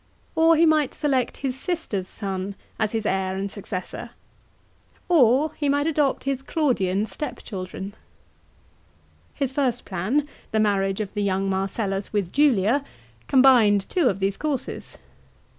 Or he might select his sister's son * as his heir and successor. Or he might adopt his Claudian step children. His first plan, the marriage of the young Marcellus with Julia, combined two of these courses.